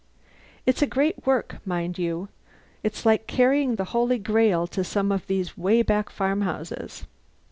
It's a great work, mind you! It's like carrying the Holy Grail to some of these way back farmhouses.